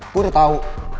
gue udah tau